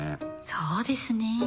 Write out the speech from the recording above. そうですね。